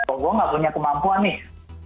toh gue nggak punya kemampuan nih